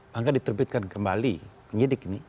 maka diterbitkan kembali penyidik ini